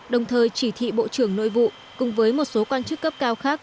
đồng thời chỉ thị bộ trưởng nội vụ cùng với một số quan chức cấp cao khác